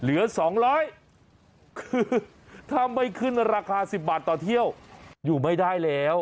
เหลือ๒๐๐คือถ้าไม่ขึ้นราคา๑๐บาทต่อเที่ยวอยู่ไม่ได้แล้ว